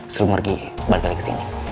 sebelum pergi balik lagi ke sini